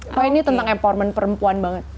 pokoknya ini tentang empowerment perempuan banget